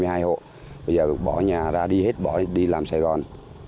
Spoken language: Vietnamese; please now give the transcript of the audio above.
bây giờ bỏ nhà ra đi hết bỏ đi làm sài gòn